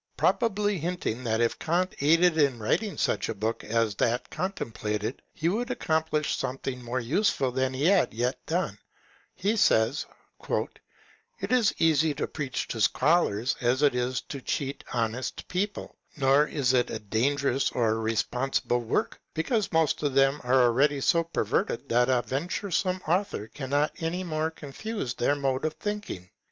Pro bably hinting that if Kant aided in writing such a book as that contemplated, he would accomplish something more useful than he had yet done, he says, *^ It is as easy to preach to scholars as it is to cheat honest people ; nor is it a dangerous or a responsible work, because most of them are already so perverted that a venture some author cannot any more confuse their mode of thinking.